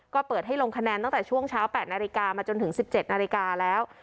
ก็เปิดให้ลงคะแนนตั้งแต่ช่วงเช้า๘นาฬิกามาจนถึง๑๗นาฬิกาแล้ว